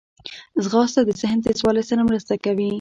ځغاسته د ذهن تیزوالي سره مرسته کوي